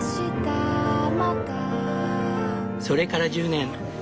それから１０年。